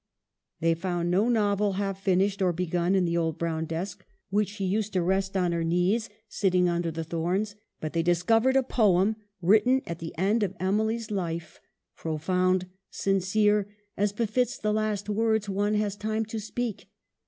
They found no novel, half finished or begun, in the old brown desk which she used to rest on 310 EMILY BRONTE. her knees, sitting under the thorns. But they discovered a poem, written at the end of Emily's life, profound, sincere, as befits the last words one has time to speak.